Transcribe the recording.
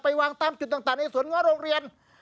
ไปวางตามจุดต่างในศูนย์หรือโรงเรียน